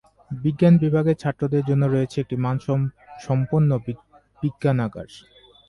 বিজ্ঞান বিভাগের ছাত্রদের জন্য রয়েছে একটি মান সম্পন্ন বিজ্ঞানাগার।